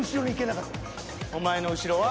お前の後ろは？